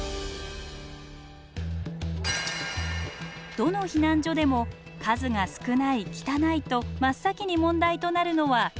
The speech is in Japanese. どの避難所でも数が少ない汚いと真っ先に問題となるのはトイレ。